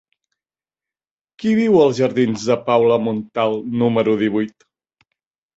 Qui viu als jardins de Paula Montal número divuit?